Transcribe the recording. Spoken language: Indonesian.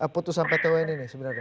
putusan pt un ini sebenarnya